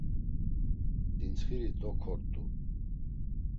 Dintsxiri dukort̆u.